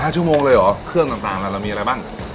ชั่วโมงเลยเหรอเครื่องต่างเรามีอะไรบ้าง